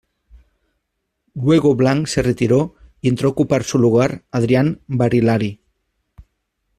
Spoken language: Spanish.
Luego Blanch se retiró y entró a ocupar su lugar Adrián Barilari.